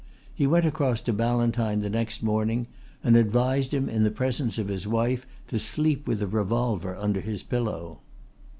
He went across to Ballantyne the next morning and advised him in the presence of his wife to sleep with a revolver under his pillow."